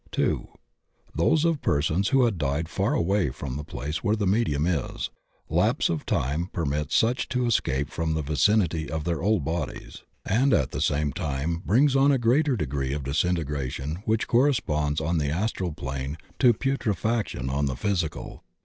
(2) Those of persons who had died far away from the place where the medium is. Lapse of time per mits such to escape from the vicinity of their old bodies, and at the same time brings on a greater degree 106 THE OCEAN OF THEOSOPHY of disintegration which corresponds on the astral plane to putrefaction on the physical.